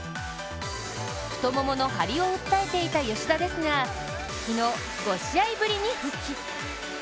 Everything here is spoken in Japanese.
太ももの張りを訴えていた吉田ですが昨日、５試合ぶりに復帰。